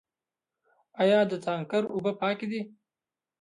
آیا د تانکر اوبه پاکې دي؟